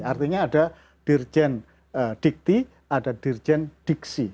artinya ada dirjen dikti ada dirjen diksi